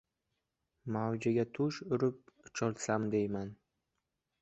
Mavjiga to’sh urib, ucholsam, deyman.